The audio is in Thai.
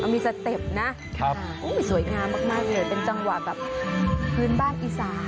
มีสเต็ปนะสวยงามมากเลยเป็นจังหวะแบบพื้นบ้านอีสาน